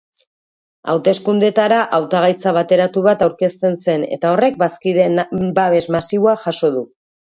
Hauteskundeetara hautagaitza bateratu bat aurkezten zen eta horrek bazkideen babes masiboa jaso du.